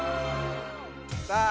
さあ